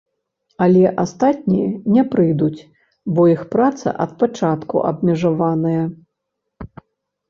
Але астатнія не прыйдуць, бо іх праца ад пачатку абмежаваная.